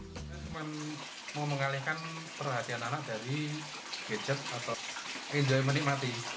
saya cuma mau mengalihkan perhatian anak dari gadget atau enjoy money mati